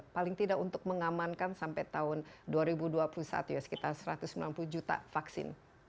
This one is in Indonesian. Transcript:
paling tidak untuk mengamankan sampai tahun dua ribu dua puluh satu ya sekitar satu ratus sembilan puluh juta vaksin